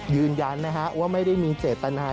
ยืนยันนะฮะว่าไม่ได้มีเจตนา